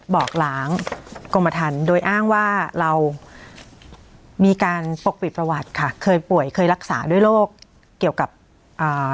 บอกล้างกรมทันโดยอ้างว่าเรามีการปกปิดประวัติค่ะเคยป่วยเคยรักษาด้วยโรคเกี่ยวกับอ่า